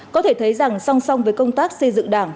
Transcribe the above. có thể thấy rằng song song với công tác xây dựng đảng